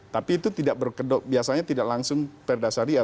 tapi itu tidak berkedok biasanya tidak langsung perda syariah